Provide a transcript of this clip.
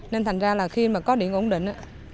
nên thành ra là khi mà có điện ổn định